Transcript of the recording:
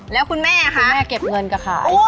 แล้วคุณแม่คะแม่เก็บเงินก็ขาย